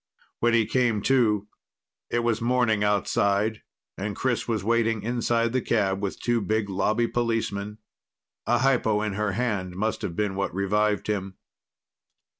When he came to, it was morning outside, and Chris was waiting inside the cab with two big Lobby policemen. A hypo in her hand must have been what revived him.